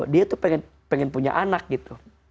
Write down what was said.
dia tuh pengen punya anak gitu